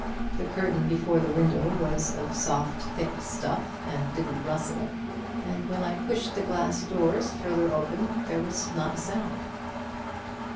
The curtain before the window was of soft, thick stuff and didn't rustle, and when I pushed the glass doors further open there was not a sound."